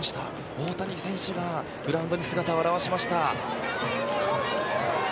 大谷選手がグラウンドに姿を現しました。